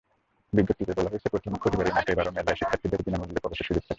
বিজ্ঞপ্তিতে বলা হয়েছে, প্রতিবারের মতো এবারেও মেলায় শিক্ষার্থীদের বিনা মূল্যে প্রবেশের সুযোগ থাকবে।